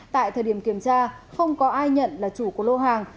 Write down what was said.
tại thời điểm kiểm tra không có ai nhận là chủ của lô hàng